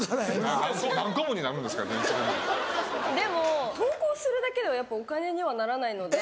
でも投稿するだけではやっぱお金にはならないので。